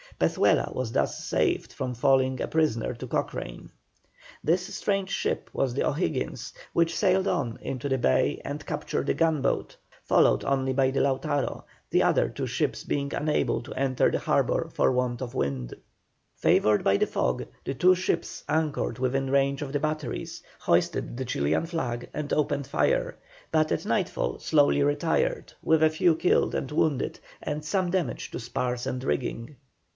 Pezuela was thus saved from falling a prisoner to Cochrane. The strange ship was the O'Higgins, which sailed on into the bay and captured a gunboat, followed only by the Lautaro, the other two ships being unable to enter the harbour for want of wind. Favoured by the fog the two ships anchored within range of the batteries, hoisted the Chilian flag, and opened fire, but at nightfall slowly retired, with a few killed and wounded, and some damage to spars and rigging.